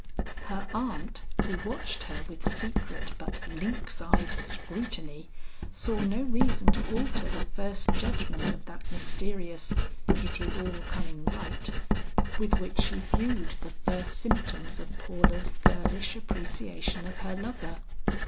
Her aunt who watched her with secret but lynx eyed scrutiny, saw no reason to alter the first judgment of that mysterious, "It is all coming right," with which she viewed the first symptoms of Paula's girlish appreciation of her lover.